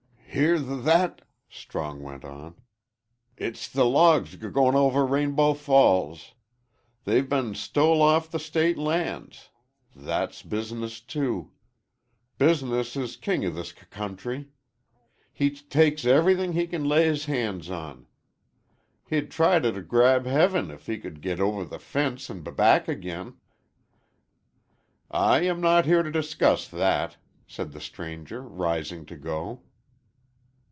"Hear th that," Strong went on. "It's the logs g goin' over Rainbow Falls. They've been stole off the state l lands. Th that's business, too. Business is king o' this c country. He t takes everything he can l lay his hands on. He'd t try t' 'grab heaven if he could g git over the f fence an' b back agin." "I am not here to discuss that," said the stranger, rising to go.